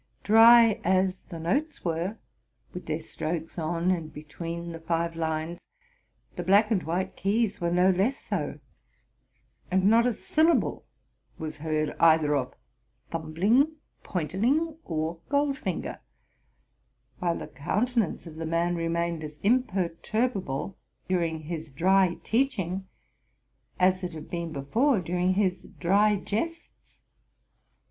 Dry as the notes were, with their strokes on and between the five lines, the black and white keys were no less so: and not a syllable was heard, either of '' thumbling,' '* pointerling,'' or '* goldfinger;'' while the countenance of the man remained as imperturbable during his dry teaching as it had been before during his dry jests.